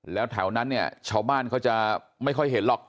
แล้วแถวนั้นเนี่ยชาวบ้านเขาจะไม่ค่อยเห็นหรอก